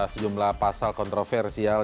sejumlah pasal kontroversial